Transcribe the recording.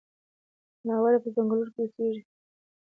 ځناور پۀ ځنګلونو کې اوسيږي.